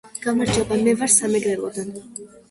გამარჯობა მე ვარ სამეგრელოდან